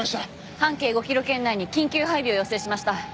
半径５キロ圏内に緊急配備を要請しました。